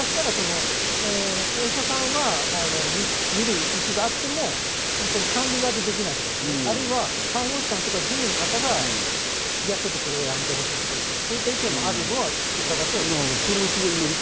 お医者さんは診る気があっても管理ができないとか、あるいは看護師さんとか事務の方がいやちょっと、それはやめてほしいとか、そういった意見もあるのは伺ってはいます。